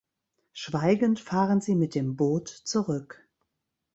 Schweigend fahren sie mit dem Boot zurück.